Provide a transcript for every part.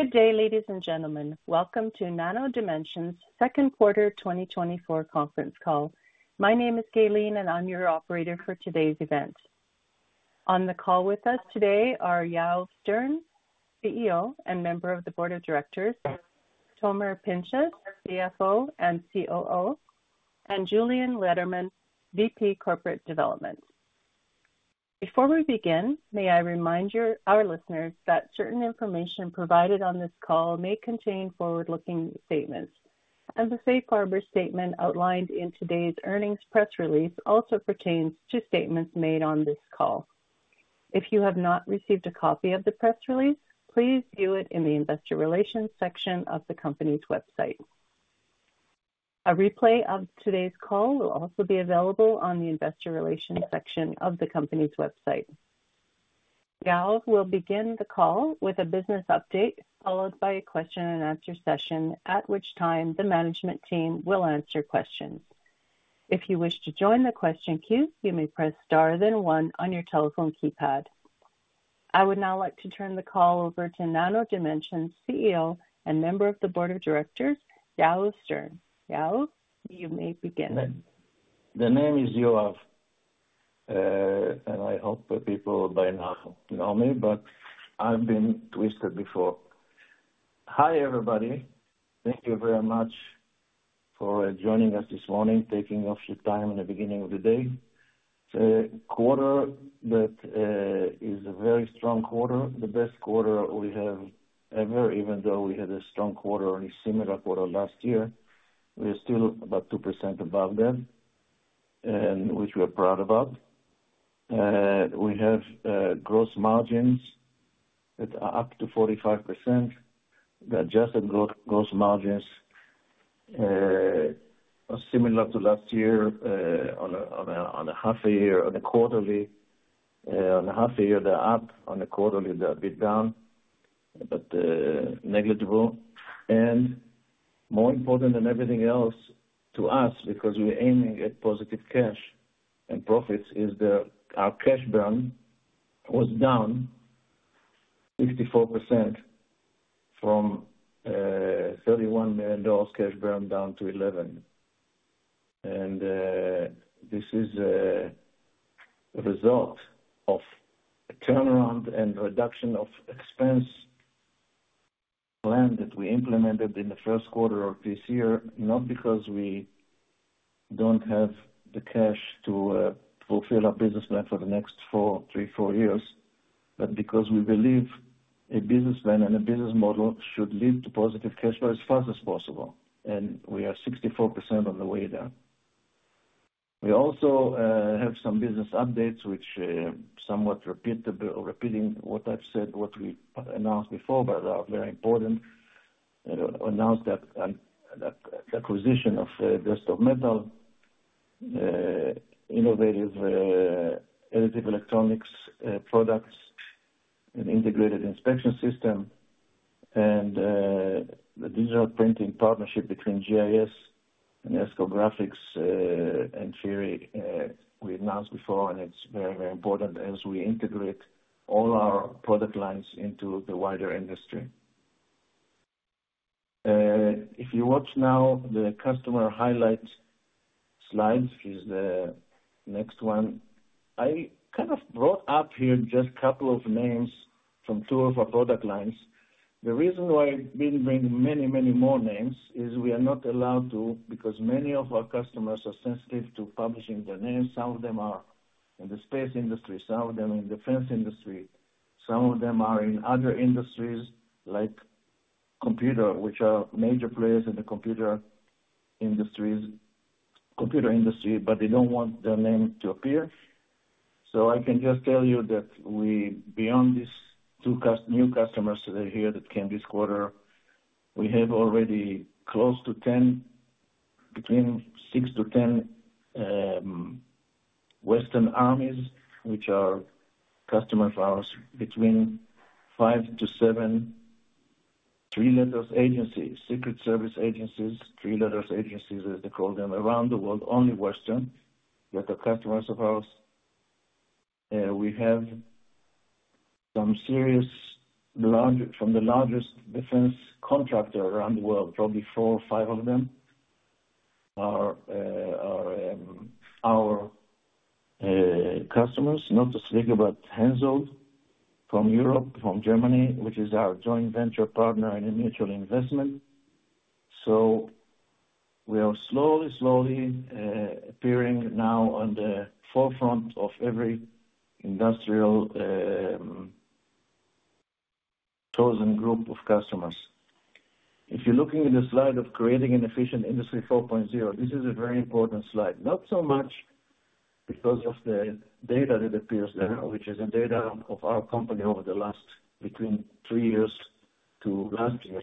Good day, ladies and gentlemen. Welcome to Nano Dimension's second quarter 2024 conference call. My name is Gaylene, and I'm your operator for today's event. On the call with us today are Yoav Stern, CEO and member of the Board of Directors, Tomer Pinchas, CFO and COO, and Julien Lederman, VP Corporate Development. Before we begin, may I remind our listeners that certain information provided on this call may contain forward-looking statements, and the safe harbor statement outlined in today's earnings press release also pertains to statements made on this call. If you have not received a copy of the press release, please view it in the investor relations section of the company's website. A replay of today's call will also be available on the investor relations section of the company's website. Yoav will begin the call with a business update, followed by a question and answer session, at which time the management team will answer questions. If you wish to join the question queue, you may press star, then one on your telephone keypad. I would now like to turn the call over to Nano Dimension's CEO and member of the Board of Directors, Yoav Stern. Yoav, you may begin. My name is Yoav, and I hope the people by now know me, but I've been twisted before. Hi, everybody. Thank you very much for joining us this morning, taking your time in the beginning of the day. It's a quarter that is a very strong quarter, the best quarter we have ever, even though we had a strong quarter and a similar quarter last year, we are still about 2% above them, and which we are proud about. We have gross margins that are up to 45%. The adjusted gross margins are similar to last year, on a half a year, they're up, on a quarterly, they're a bit down, but negligible. And more important than everything else to us, because we're aiming at positive cash and profits, is our cash burn was down 54% from $31 million cash burn down to $11 million. And this is a result of a turnaround and reduction of expense plan that we implemented in the first quarter of this year, not because we don't have the cash to fulfill our business plan for the next three or four years, but because we believe a business plan and a business model should lead to positive cash flow as fast as possible, and we are 64% on the way there. We also have some business updates which somewhat repeat what I've said, what we announced before, but are very important. Announce that the acquisition of Desktop Metal innovative additive electronics products and integrated inspection system, and the digital printing partnership between GIS and Esko-Graphics, and Fiery, we announced before, and it's very, very important as we integrate all our product lines into the wider industry. If you watch now, the customer highlights slides is the next one. I kind of brought up here just a couple of names from two of our product lines. The reason why I didn't bring many, many more names is we are not allowed to, because many of our customers are sensitive to publishing their names. Some of them are in the space industry, some of them in defense industry, some of them are in other industries, like computer, which are major players in the computer industries, computer industry, but they don't want their name to appear. So I can just tell you that we, beyond these two new customers today here that came this quarter, we have already close to 10, between six to 10, Western armies, which are customers of ours, between five to seven three-letter agencies, secret service agencies, three-letter agencies, as they call them, around the world, only Western, that are customers of ours. We have some serious large... From the largest defense contractor around the world, probably four or five of them are our customers. Not to speak about Hensoldt from Europe, from Germany, which is our joint venture partner in a mutual investment. So we are slowly appearing now on the forefront of every industrial chosen group of customers. If you're looking in the slide of creating an efficient Industry 4.0, this is a very important slide. Not so much because of the data that appears there, which is a data of our company over the last, between three years to last year,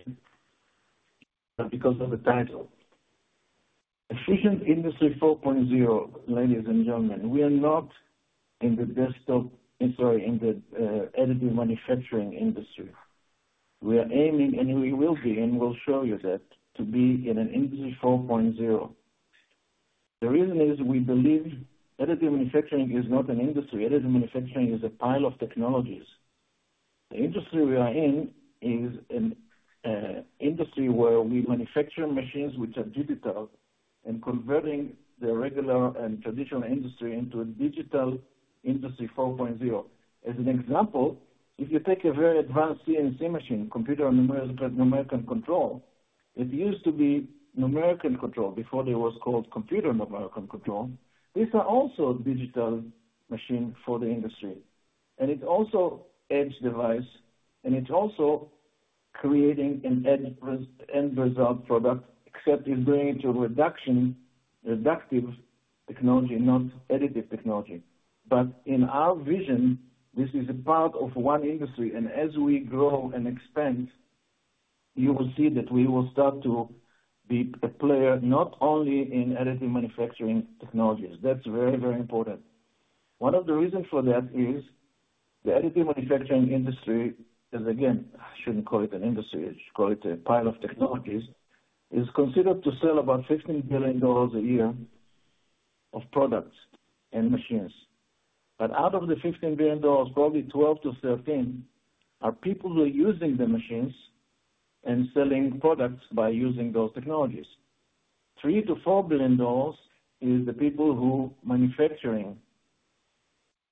but because of the title. Efficient Industry 4.0, ladies and gentlemen, we are not in the desktop, I'm sorry, in the additive manufacturing industry. We are aiming, and we will be, and we'll show you that, to be in an Industry 4.0. The reason is, we believe additive manufacturing is not an industry. Additive manufacturing is a pile of technologies. The industry we are in is an industry where we manufacture machines which are digital, and converting the regular and traditional industry into a digital Industry 4.0. As an example, if you take a very advanced CNC machine, computer numerical control, it used to be numerical control before it was called computer numerical control. These are also digital machine for the industry, and it's also edge device, and it's also creating an end result product, except it's doing it to reduction, reductive technology, not additive technology. But in our vision, this is a part of one industry, and as we grow and expand, you will see that we will start to be a player, not only in additive manufacturing technologies. That's very, very important. One of the reasons for that is, the additive manufacturing industry, is again, I shouldn't call it an industry, I should call it a pile of technologies, is considered to sell about $16 billion a year of products and machines. But out of the $15 billion, probably 12-13, are people who are using the machines and selling products by using those technologies. $3 billion-$4 billion is the people who manufacturing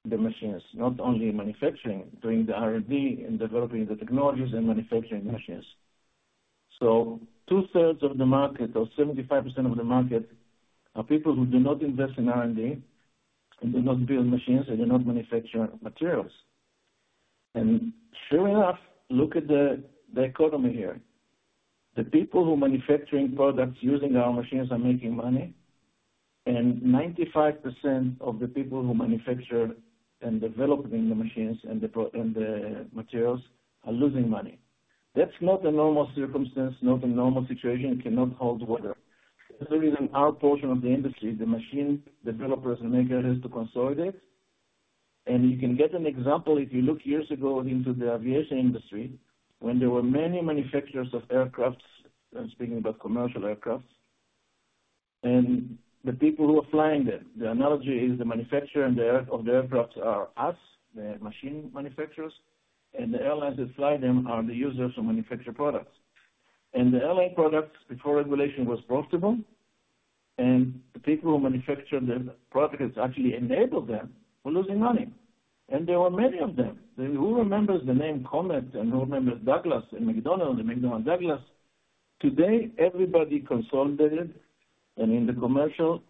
the machines, not only manufacturing, doing the R&D and developing the technologies and manufacturing machines. So two thirds of the market, or 75% of the market, are people who do not invest in R&D, and do not build machines, and do not manufacture materials. And sure enough, look at the economy here. The people who are manufacturing products using our machines are making money, and 95% of the people who manufacture and develop the machines and the products and the materials are losing money. That's not a normal circumstance, not a normal situation. It cannot hold water. The reason our portion of the industry, the machine developers and makers, is to consolidate. You can get an example if you look years ago into the aviation industry, when there were many manufacturers of aircraft. I'm speaking about commercial aircraft, and the people who are flying them. The analogy is the manufacturer of the aircraft are us, the machine manufacturers, and the airlines that fly them are the users who manufacture products. The airlines before regulation were profitable, and the people who manufactured the products actually enabled them were losing money. There were many of them. Who remembers the name Comet, and who remembers Douglas and McDonnell, the McDonnell Douglas? Today, everybody consolidated, and in the commercial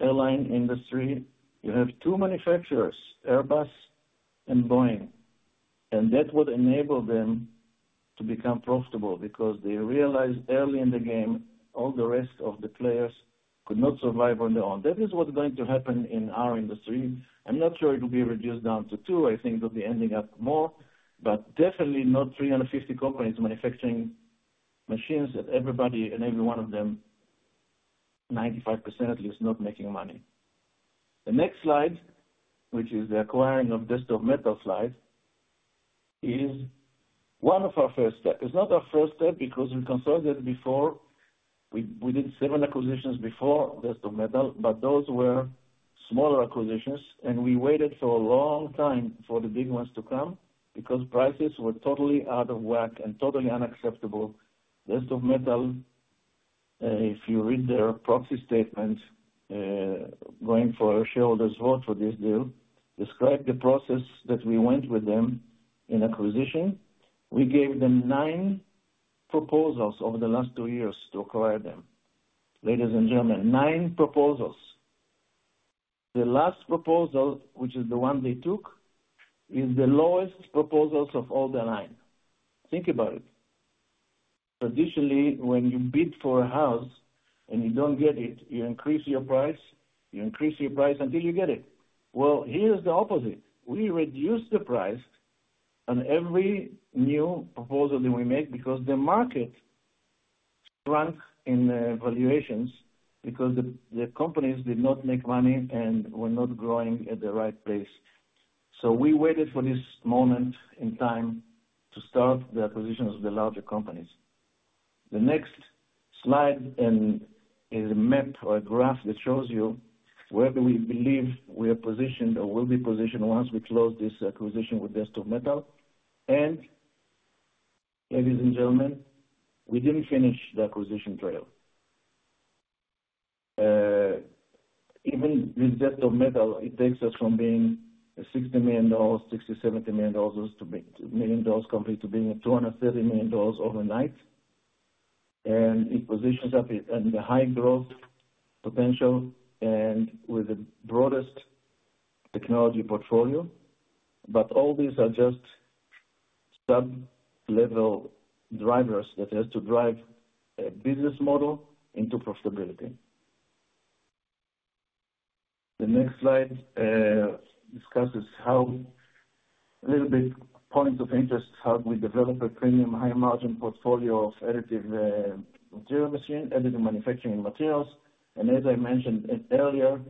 airline industry, you have two manufacturers, Airbus and Boeing, and that would enable them to become profitable because they realized early in the game, all the rest of the players could not survive on their own. That is what's going to happen in our industry. I'm not sure it will be reduced down to two. I think it'll be ending up more, but definitely not 350 companies manufacturing machines that everybody and every one of them, 95%, at least, not making money. The next slide, which is the acquiring of Desktop Metal slide, is one of our first step. It's not our first step, because we consolidated before. We did seven acquisitions before Desktop Metal, but those were smaller acquisitions, and we waited for a long time for the big ones to come, because prices were totally out of whack and totally unacceptable. Desktop Metal, if you read their proxy statement going for a shareholder's vote for this deal, describe the process that we went with them in acquisition. We gave them nine proposals over the last two years to acquire them. Ladies and gentlemen, nine proposals. The last proposal, which is the one they took, is the lowest proposals of all the nine. Think about it. Traditionally, when you bid for a house and you don't get it, you increase your price, you increase your price until you get it, well, here's the opposite. We reduced the price on every new proposal that we make because the market shrunk in the valuations, because the companies did not make money and were not growing at the right place. So we waited for this moment in time to start the acquisitions of the larger companies. The next slide, and is a map or a graph that shows you where do we believe we are positioned or will be positioned once we close this acquisition with Desktop Metal. And ladies and gentlemen, we didn't finish the acquisition trail. Even with Desktop Metal, it takes us from being a $60 million-$70 million to billion-dollar company, to being $230 million overnight. And it positions us in the high growth potential and with the broadest technology portfolio. But all these are just sub-level drivers that has to drive a business model into profitability. The next slide discusses how, a little bit points of interest, how we develop a premium high margin portfolio of additive material machine, additive manufacturing materials. And as I mentioned earlier,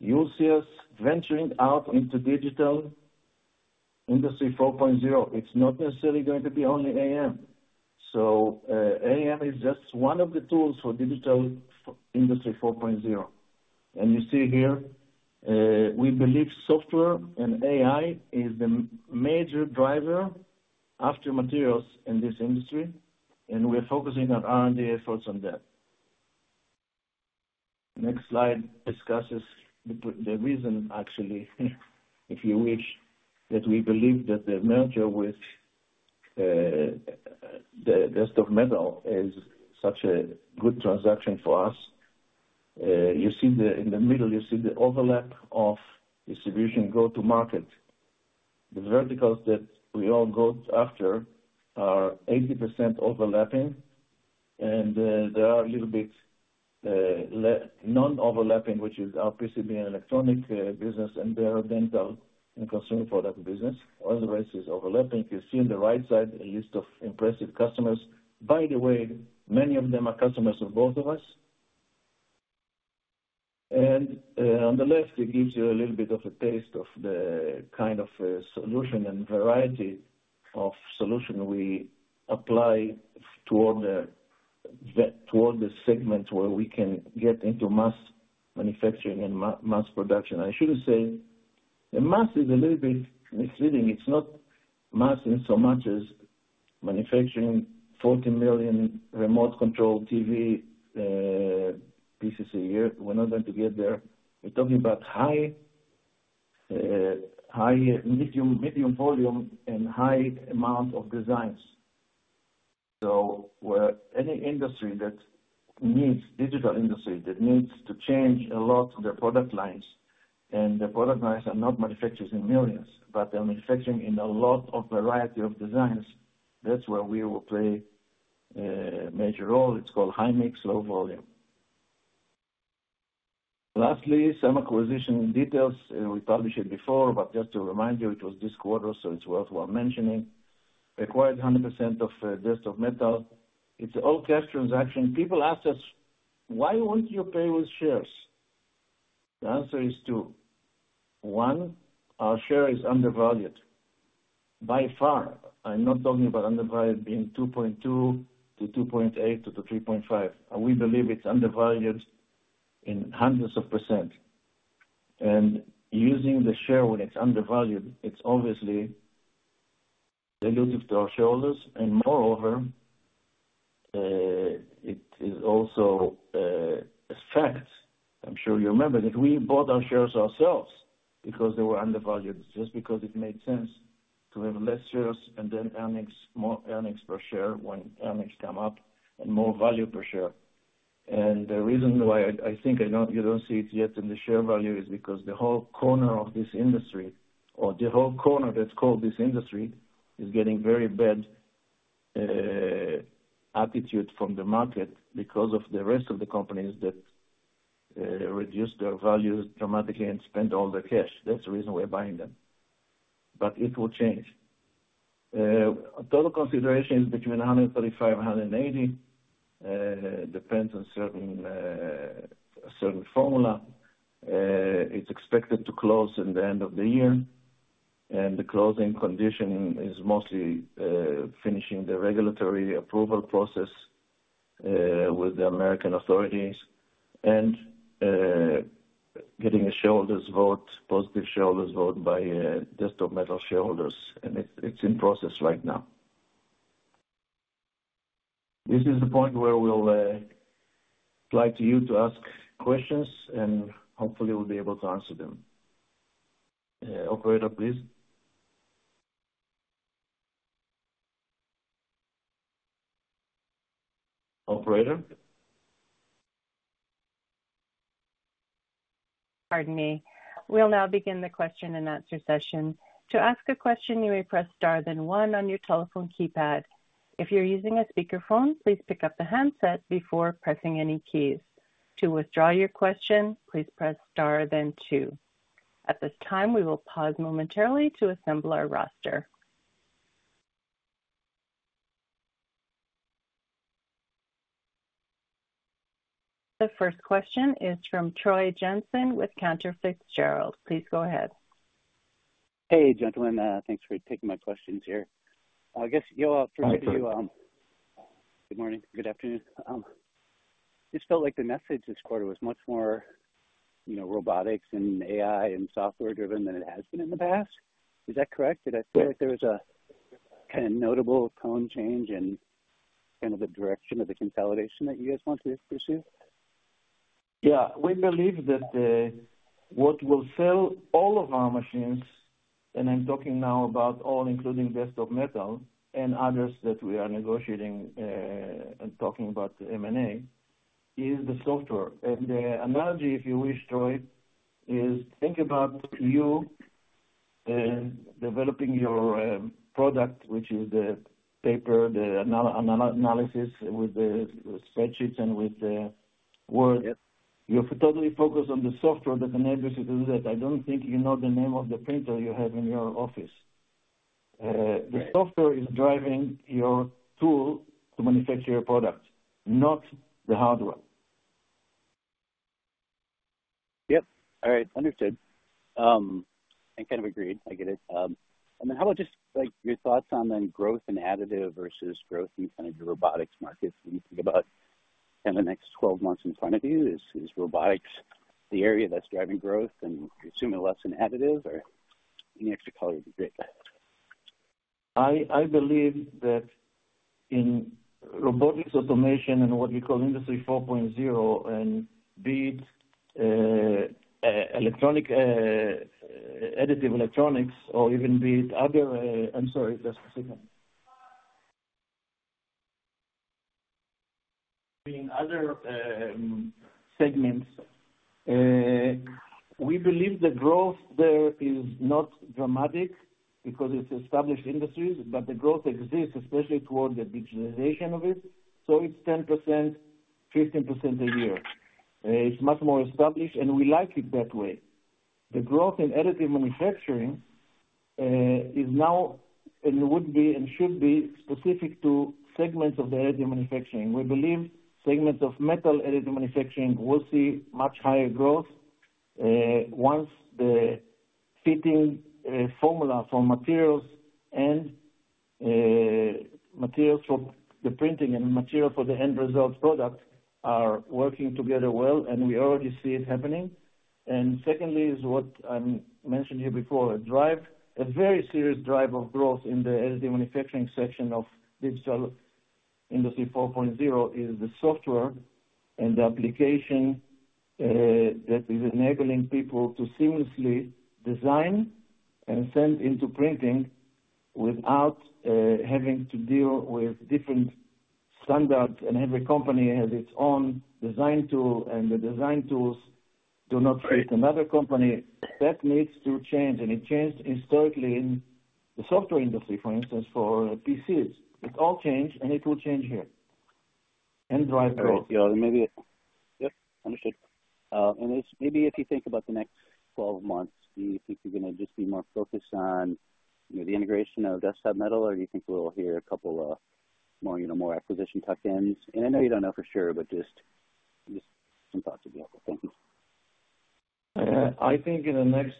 you'll see us venturing out into digital Industry 4.0. It's not necessarily going to be only AM. So, AM is just one of the tools for digital Industry 4.0. And you see here, we believe software and AI is the major driver after materials in this industry, and we are focusing our R&D efforts on that. Next slide discusses the reason, actually, if you wish, that we believe that the merger with Desktop Metal is such a good transaction for us. You see, in the middle, you see the overlap of distribution go-to-market. The verticals that we all go after are 80% overlapping, and they are a little bit non-overlapping, which is our PCB and electronic business, and their dental and consumer product business. All the rest is overlapping. You see on the right side, a list of impressive customers. By the way, many of them are customers of both of us. And on the left, it gives you a little bit of a taste of the kind of solution and variety of solution we apply toward the segments where we can get into mass manufacturing and mass production. I shouldn't say, the mass is a little bit misleading. It's not mass in so much as manufacturing 40 million remote control TV pieces a year. We're not going to get there. We're talking about high, high medium, medium volume and high amount of designs. So where any industry that needs, digital industry, that needs to change a lot of their product lines, and the product lines are not manufactured in millions, but they're manufacturing in a lot of variety of designs. That's where we will play a major role. It's called high-mix, low-volume. Lastly, some acquisition details, and we published it before, but just to remind you, it was this quarter, so it's worthwhile mentioning. Acquired 100% of Desktop Metal. It's all cash transaction. People asked us: Why won't you pay with shares? The answer is two. One, our share is undervalued. By far, I'm not talking about undervalued being 2.2 to 2.8 to 3.5. We believe it's undervalued in hundreds of %. And using the share when it's undervalued, it's obviously dilutive to our shareholders, and moreover, it is also a fact. I'm sure you remember that we bought our shares ourselves because they were undervalued, just because it made sense to have less shares and then earnings, more earnings per share when earnings come up and more value per share. And the reason why I think you don't see it yet in the share value is because the whole corner of this industry, or the whole corner that's called this industry, is getting very bad attitude from the market because of the rest of the companies that reduce their values dramatically and spend all the cash. That's the reason we're buying them, but it will change. Total consideration is between $135 million and $180 million. Depends on certain formula. It's expected to close in the end of the year, and the closing condition is mostly finishing the regulatory approval process with the American authorities and getting a shareholders vote, positive shareholders vote by Desktop Metal shareholders, and it's in process right now. This is the point where we'll like you to ask questions, and hopefully we'll be able to answer them. Operator, please. Operator? Pardon me. We'll now begin the question and answer session. To ask a question, you may press Star, then one on your telephone keypad. If you're using a speakerphone, please pick up the handset before pressing any keys. To withdraw your question, please press Star, then two. At this time, we will pause momentarily to assemble our roster. The first question is from Troy Jensen with Cantor Fitzgerald. Please go ahead. Hey, gentlemen. Thanks for taking my questions here. I guess, Yoav, for you, Hi, Troy. Good morning. Good afternoon. Just felt like the message this quarter was much more, you know, robotics and AI and software-driven than it has been in the past. Is that correct? Yeah. Did I feel like there was a kinda notable tone change in kind of the direction of the consolidation that you guys want to pursue? Yeah. We believe that what will sell all of our machines, and I'm talking now about all, including Desktop Metal and others that we are negotiating and talking about M&A, is the software. And the analogy, if you wish, Troy, is think about you developing your product, which is the paper, the analysis with the spreadsheets and with the word. Yes. You're totally focused on the software that enables you to do that. I don't think you know the name of the printer you have in your office. Right. The software is driving your tool to manufacture your product, not the hardware. Yep. All right, understood. And kind of agreed. I get it. And then how about just, like, your thoughts on the growth in additive versus growth in kind of the robotics market, when you think about in the next 12 months in front of you, is, is robotics the area that's driving growth, and presumably less in additive, or any extra color you can give? I believe that in robotics automation and what we call Industry 4.0, and be it, electronic, additive electronics, or even be it other... I'm sorry, just a second. In other, segments, we believe the growth there is not dramatic because it's established industries, but the growth exists, especially toward the digitization of it, so it's 10%, 15% a year. It's much more established, and we like it that way. The growth in additive manufacturing, is now, and would be, and should be specific to segments of the additive manufacturing. We believe segments of metal additive manufacturing will see much higher growth, once the fitting, formula for materials and, materials for the printing and material for the end result product are working together well, and we already see it happening. And secondly, is what I mentioned here before, a drive, a very serious drive of growth in the additive manufacturing section of digital Industry 4.0, is the software and the application, that is enabling people to seamlessly design and send into printing without, having to deal with different standards. And every company has its own design tool, and the design tools do not fit another company. That needs to change, and it changed historically in the software industry, for instance, for PCs. It all changed, and it will change here. And drive growth. Yeah, maybe. Yep, understood. And it's, maybe if you think about the next 12 months, do you think you're gonna just be more focused on, you know, the integration of Desktop Metal, or you think we'll hear a couple of more, you know, more acquisition tuck-ins? And I know you don't know for sure, but just some thoughts would be helpful. Thank you. I think in the next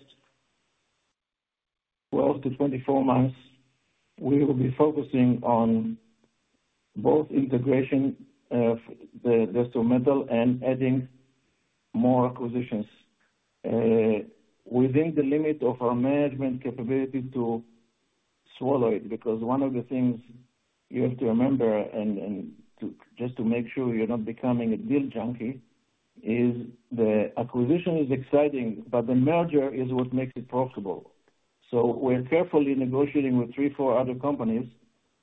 12-24 months, we will be focusing on both integration of the Desktop Metal and adding more acquisitions, within the limit of our management capability to swallow it. Because one of the things you have to remember, and to just make sure you're not becoming a deal junkie, is the acquisition is exciting, but the merger is what makes it profitable. So we're carefully negotiating with three, four other companies.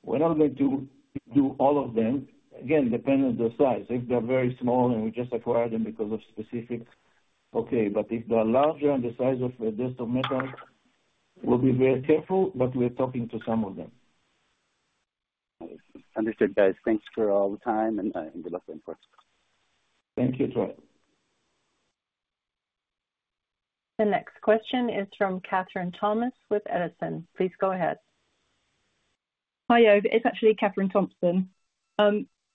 We're not going to do all of them. Again, depending on their size. If they're very small and we just acquire them because of specific, okay, but if they are larger and the size of the Desktop Metal, we'll be very careful, but we're talking to some of them. Understood, guys. Thanks for all the time, and good luck in first. Thank you, Troy. The next question is from Katherine Thompson with Edison. Please go ahead. Hi, Yoav. It's actually Katherine Thompson.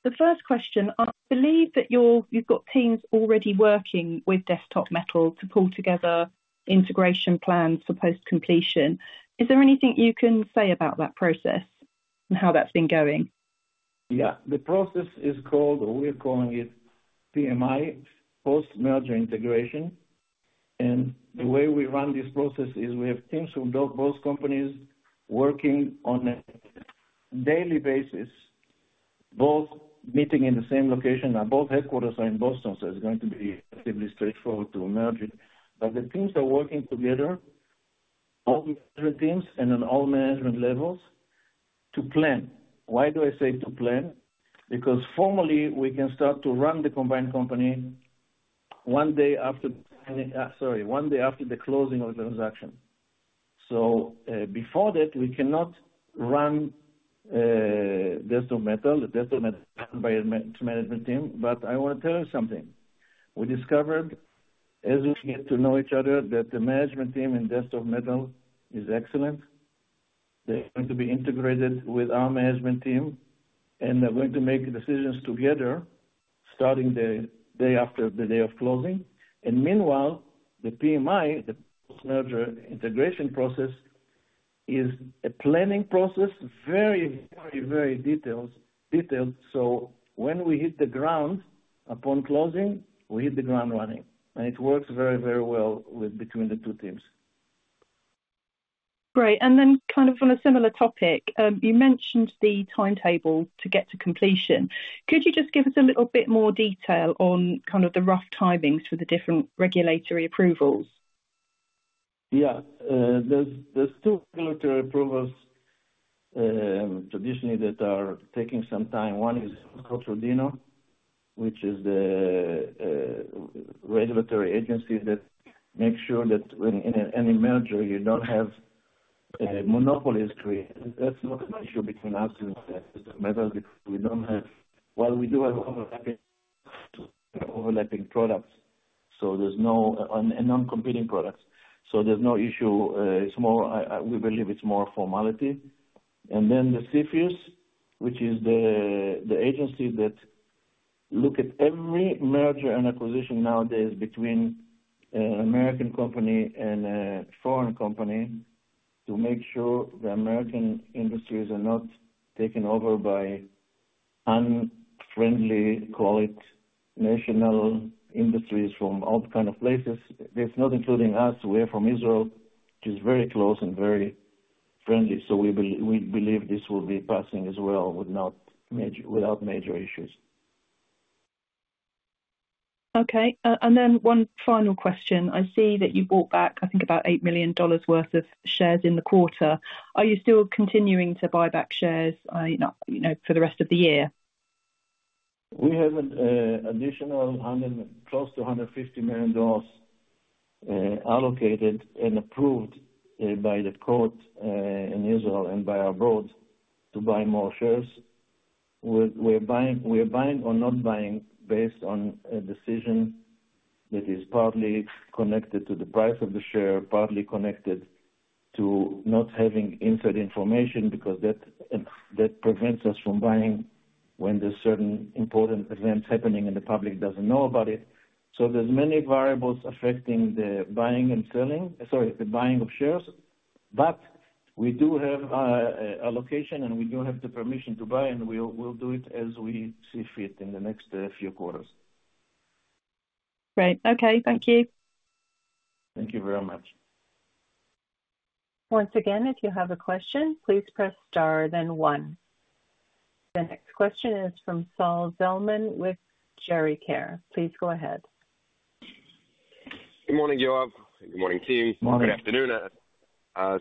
The first question, I believe that you've got teams already working with Desktop Metal to pull together integration plans for post-completion. Is there anything you can say about that process and how that's been going? Yeah. The process is called, or we're calling it PMI, Post-Merger Integration. And the way we run this process is we have teams from both companies working on a daily basis, both meeting in the same location, and both headquarters are in Boston, so it's going to be relatively straightforward to merge it. But the teams are working together, all management teams and on all management levels, to plan. Why do I say to plan? Because formally, we can start to run the combined company one day after, sorry, one day after the closing of the transaction. So, before that, we cannot run Desktop Metal, the Desktop Metal management team. But I want to tell you something. We discovered, as we get to know each other, that the management team in Desktop Metal is excellent. They are going to be integrated with our management team, and they're going to make decisions together, starting the day after the day of closing, and meanwhile, the PMI, the merger integration process, is a planning process, very, very, very detailed, detailed, so when we hit the ground upon closing, we hit the ground running, and it works very, very well with between the two teams. Great. And then kind of on a similar topic, you mentioned the timetable to get to completion. Could you just give us a little bit more detail on kind of the rough timings for the different regulatory approvals? Yeah. There's two regulatory approvals, traditionally, that are taking some time. One is the antitrust review, which is the regulatory agency that makes sure that when in any merger, you don't have monopolies created. That's not an issue between us and Desktop Metal, because we don't have... While we do have overlapping products, and non-competing products, so there's no issue. It's more. We believe it's more a formality. And then the CFIUS, which is the agency that look at every merger and acquisition nowadays between American company and a foreign company, to make sure the American industries are not taken over by unfriendly, call it national industries from all kind of places. It's not including us. We're from Israel, which is very close and very friendly, so we believe this will be passing as well, without major issues. Okay. And then one final question. I see that you bought back, I think about $8 million worth of shares in the quarter. Are you still continuing to buy back shares, I, you know, for the rest of the year? We have an additional $100 million, close to $150 million allocated and approved by the court in Israel and by our board to buy more shares. We're buying or not buying based on a decision that is partly connected to the price of the share, partly connected to not having inside information, because that prevents us from buying when there's certain important events happening, and the public doesn't know about it. So there's many variables affecting the buying and selling, sorry, the buying of shares, but we do have allocation, and we do have the permission to buy, and we'll do it as we see fit in the next few quarters. Great. Okay, thank you. Thank you very much. Once again, if you have a question, please press star then one. The next question is from Sol Zelman with Gericare. Please go ahead. Good morning, Yoav. Good morning, team. Morning. Good afternoon.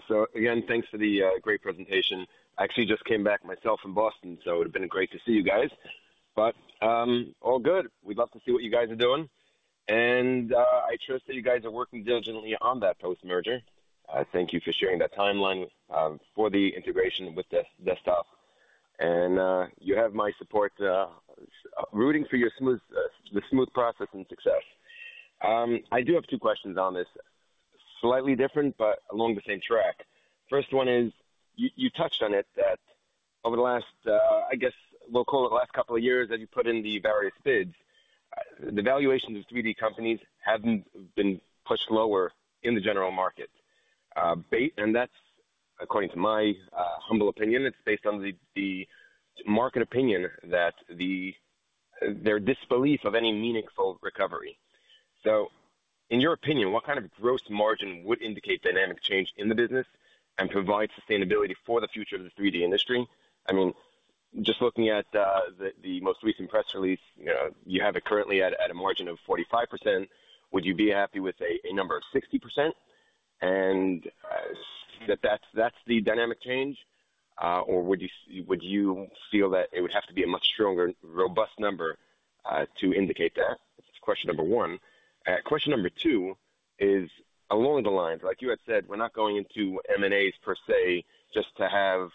So again, thanks for the great presentation. I actually just came back myself from Boston, so it would have been great to see you guys, but all good. We'd love to see what you guys are doing, and I trust that you guys are working diligently on that post-merger. I thank you for sharing that timeline for the integration with the Desktop, and you have my support rooting for your smooth process and success. I do have two questions on this. Slightly different, but along the same track. First one is, you touched on it, that over the last I guess, we'll call it the last couple of years, as you put in the various bids, the valuations of 3D companies have been pushed lower in the general market. And that's according to my humble opinion, it's based on the market opinion that their disbelief of any meaningful recovery. So, in your opinion, what kind of gross margin would indicate dynamic change in the business and provide sustainability for the future of the 3D industry? I mean, just looking at the most recent press release, you know, you have it currently at a margin of 45%. Would you be happy with, say, a number of 60%, and that's the dynamic change? Or would you feel that it would have to be a much stronger, robust number to indicate that? That's question number one. Question number two is along the lines, like you had said, we're not going into M&As per se, just to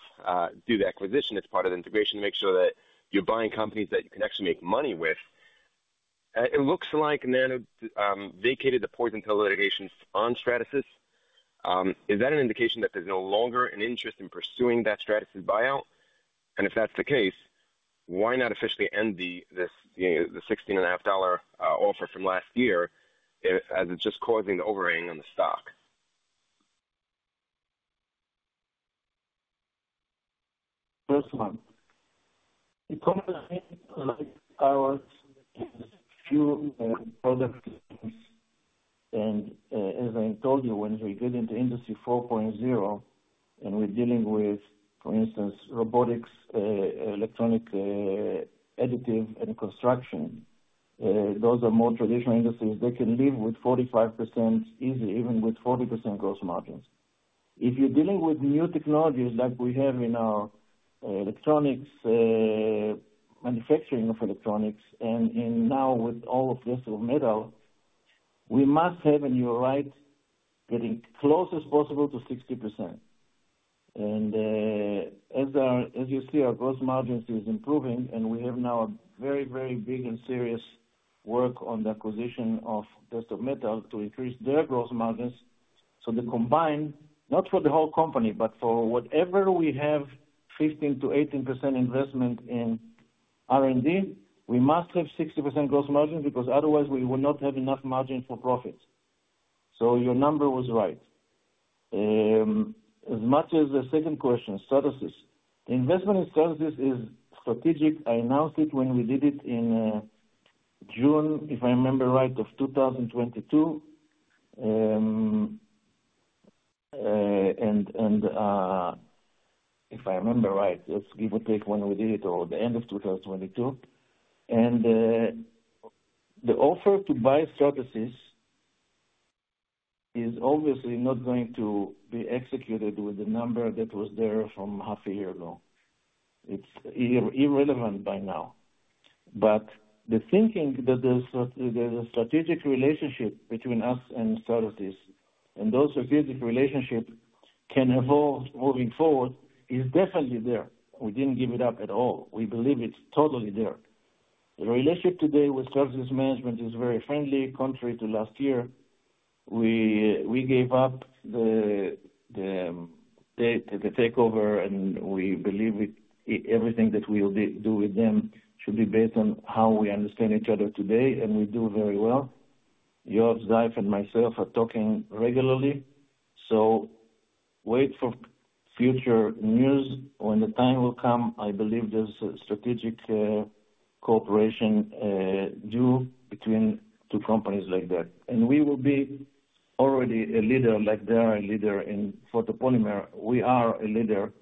do the acquisition. It's part of the integration, to make sure that you're buying companies that you can actually make money with. It looks like Nano vacated the poison pill litigation on Stratasys. Is that an indication that there's no longer an interest in pursuing that Stratasys buyout? And if that's the case, why not officially end the, you know, the $16.50 offer from last year, as it's just causing the overhang on the stock? First one, a company like ours has few product, and, as I told you, when we get into Industry 4.0, and we're dealing with, for instance, robotics, electronics, additive and construction, those are more traditional industries. They can live with 45% easily, even with 40% gross margins. If you're dealing with new technologies like we have in our electronics, manufacturing of electronics, and, and now with all of this metal, we must have, and you're right, getting close as possible to 60%. And, as our, as you see, our gross margins is improving, and we have now a very, very big and serious work on the acquisition of Desktop Metal to increase their gross margins. So the combined, not for the whole company, but for whatever we have, 15%-18% investment in R&D, we must have 60% gross margin, because otherwise we will not have enough margin for profits. So your number was right. As much as the second question, Stratasys. The investment in Stratasys is strategic. I announced it when we did it in June, if I remember right, of 2022. If I remember right, let's give or take when we did it, or the end of 2022. The offer to buy Stratasys is obviously not going to be executed with the number that was there from half a year ago. It's irrelevant by now. But the thinking that there's a strategic relationship between us and Stratasys, and those strategic relationship can evolve moving forward, is definitely there. We didn't give it up at all. We believe it's totally there. The relationship today with Stratasys management is very friendly, contrary to last year. We gave up the takeover, and we believe everything that we'll do with them should be based on how we understand each other today, and we do very well. Yoav Zeif and myself are talking regularly, so wait for future news when the time will come. I believe there's a strategic cooperation due between two companies like that. And we will be already a leader, like they are a leader in photopolymer. We are a leader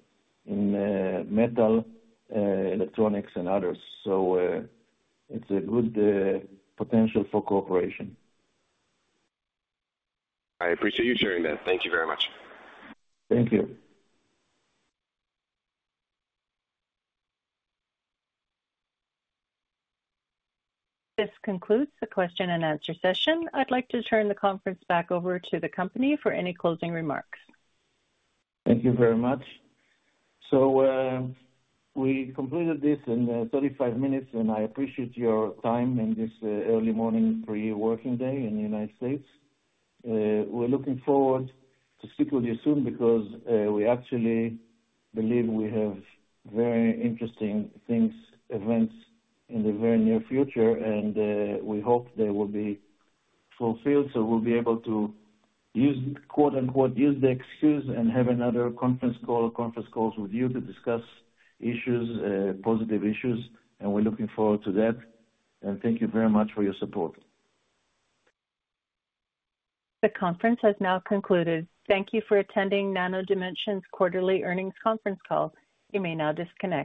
in metal electronics and others. So, it's a good potential for cooperation. I appreciate you sharing that. Thank you very much. Thank you. This concludes the question and answer session. I'd like to turn the conference back over to the company for any closing remarks. Thank you very much. So, we completed this in 35 minutes, and I appreciate your time in this early morning for you, working day in the United States. We're looking forward to speak with you soon because we actually believe we have very interesting things, events in the very near future, and we hope they will be fulfilled. So we'll be able to use, quote, unquote, "Use the excuse" and have another conference call, conference calls with you to discuss issues, positive issues, and we're looking forward to that, and thank you very much for your support. The conference has now concluded. Thank you for attending Nano Dimension's quarterly earnings conference call. You may now disconnect.